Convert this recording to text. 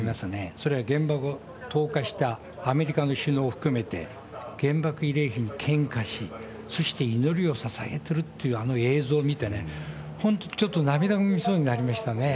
それは原爆を投下したアメリカの首脳を含めて、原爆慰霊碑に献花し、そして祈りをささげてるっていう、あの映像を見てね、本当、ちょっと涙ぐみそうになりましたね。